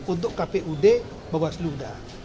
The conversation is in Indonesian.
untuk kpud bawa seluruh daerah